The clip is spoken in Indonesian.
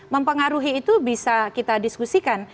mempengaruhi itu bisa kita diskusikan